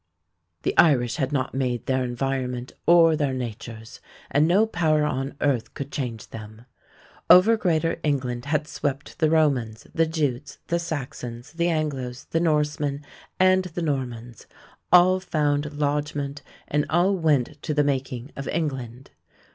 The Irish had not made their environment or their natures, and no power on earth could change them. Over greater England had swept the Romans, the Jutes, the Saxons, the Angles, the Norsemen, and the Normans. All found lodgment and all went to the making of England.